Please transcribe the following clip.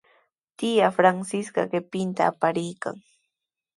Tiyaa Francisca qipinta apariykan.